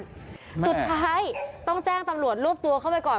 สุดท้ายต้องแจ้งตำรวจรวบตัวเข้าไปก่อน